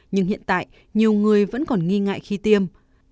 nhưng hiện tại nhiều người vẫn còn nghi ngại khi tiêm